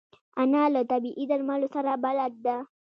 انا له طبیعي درملو سره بلد ده